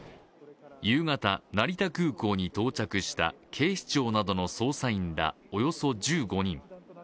夕方、成田空港に到着した、警視庁などの捜査員ら、およそ１５人。